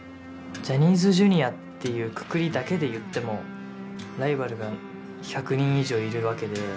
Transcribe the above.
ジャニーズＪｒ．っていうくくりだけで言ってもライバルが１００人以上いるわけで。